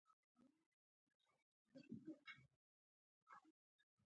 عطرونه د زړونو تسکین ورکوي.